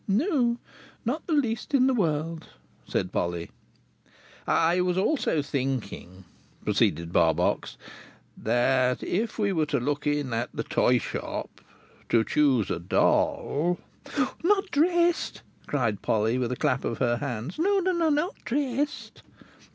"No, no, not the least in the world," said Polly. "I was also thinking," proceeded Barbox, "that if we were to look in at the toy shop, to choose a doll—" "Not dressed!" cried Polly, with a clap of her hands. "No, no, NO, not dressed!"